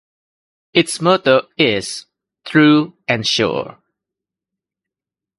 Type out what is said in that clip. Its motto is "True and Sure".